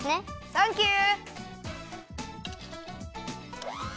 サンキュー！